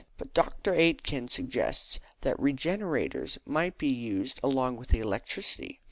But Dr. Aitken suggests that regenerators might be used along with the electricity.